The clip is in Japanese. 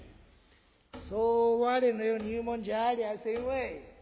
「そうわれのように言うもんじゃありゃあせんわい。